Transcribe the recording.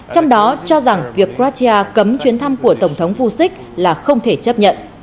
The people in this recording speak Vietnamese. trong đó cho rằng việc kratia cấm chuyến thăm của tổng thống vosik là không thể chấp nhận